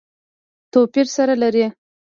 توپیر سره لري.